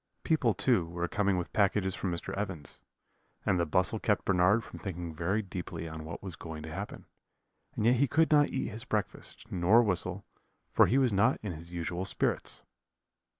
People, too, were coming with packages from Mr. Evans's, and the bustle kept Bernard from thinking very deeply on what was going to happen; and yet he could not eat his breakfast, nor whistle, for he was not in his usual spirits.